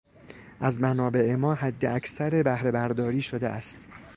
از منابع ما حداکثر بهرهبرداری شده است.